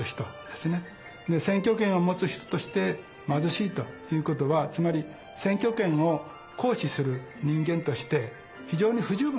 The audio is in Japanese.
選挙権を持つ人として貧しいということはつまり選挙権を行使する人間として非常に不十分なんだと。